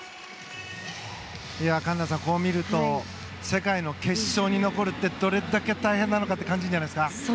環奈さん、こう見ると世界の決勝に残るってどれだけ大変なのかって感じるんじゃないですか？